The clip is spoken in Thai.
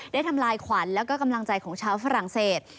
ทำลายขวัญแล้วก็กำลังใจของชาวฝรั่งเศส